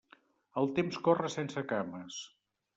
El temps corre sense cames.